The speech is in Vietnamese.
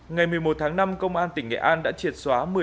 ngày một mươi một tháng năm công an tỉnh nghệ an đã triệt xóa